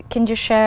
văn hóa văn hóa